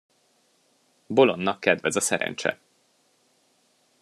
Bolondnak kedvez a szerencse.